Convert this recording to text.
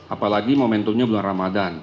apalagi momentumnya bulan ramadhan